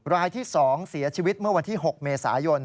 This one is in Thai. รายที่๒เสียชีวิตเมื่อวันที่๖เมษายน